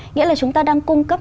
nghĩa là chúng ta đang cung cấp